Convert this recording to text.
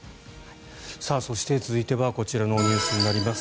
そして、続いてはこちらのニュースになります。